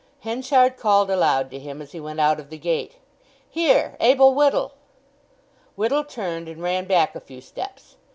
Henchard called aloud to him as he went out of the gate, "Here—Abel Whittle!" Whittle turned, and ran back a few steps.